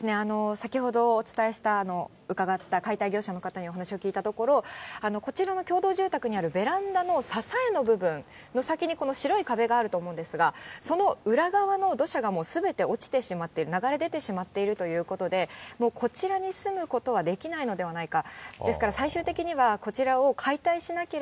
先ほどお伝えした、伺った解体業者の方にお話を聞いたところ、こちらの共同住宅にあるベランダの支えの部分の先に白い壁があると思うんですが、その裏側の土砂がもうすべて落ちてしまっている、流れ出てしまっているということで、こちらに住むことはできないのではないか。